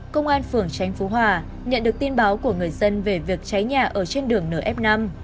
công an phường tránh phú hòa nhận được tin báo của người dân về việc cháy nhà ở trên đường nf năm